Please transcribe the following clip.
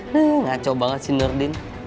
nih ngaco banget si nordin